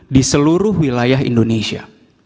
di seluruh wilayah indonesia